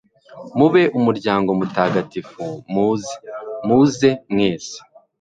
mube umuryango mutagatifu, muze (muze mwese)